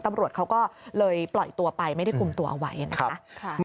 ตำรวจเขาก็เลยปล่อยตัวไปไม่ได้คุมตัวเอาไว้นะคะ